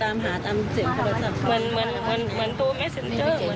แต่ว่ามาดูของตัวเองแล้วมันไม่ใช่